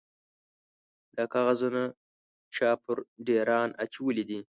_دا کاغذونه چا پر ډېران اچولي دي؟